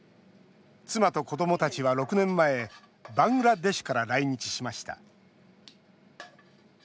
妻と子どもたちは６年前バングラデシュから来日しました。